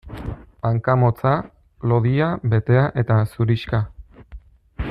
Hanka motza, lodia, betea eta zurixka.